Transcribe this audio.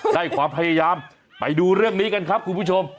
ได้ความพยายามไปดูเรื่องนี้กันครับคุณผู้ชม